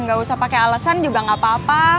gak usah pake alasan juga gak apa apa